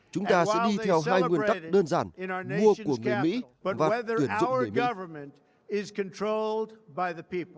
chúng ta sẽ đi theo hai nguyên tắc đơn giản mua của người mỹ và tuyển dụng người mỹ